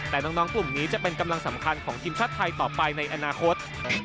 แต่น้องกลุ่มนี้จะเป็นกำลังสำคัญของทีมชาติไทยต่อไปในอนาคต